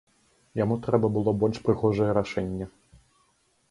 Яму трэба было больш прыгожае рашэнне.